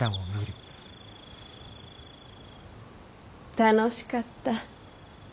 楽しかった。